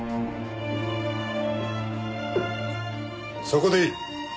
そこでいい。